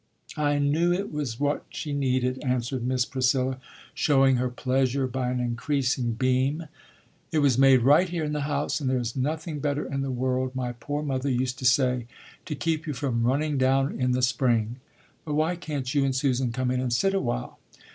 "I knew it was what she needed," answered Miss Priscilla, showing her pleasure by an increasing beam. "It was made right here in the house, and there's nothing better in the world, my poor mother used to say, to keep you from running down in the spring. But why can't you and Susan come in and sit a while?"